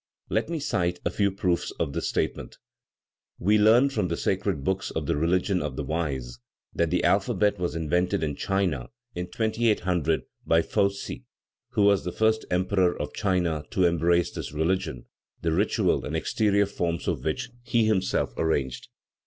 Let me cite a few proofs of this statement. We learn from the sacred books of "the religion of the wise" that the alphabet was invented in China in 2800 by Fou si, who was the first emperor of China to embrace this religion, the ritual and exterior forms of which he himself arranged.